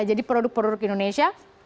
jadi produk produk indonesia